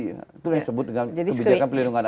itu yang disebut dengan kebijakan pelindungan anak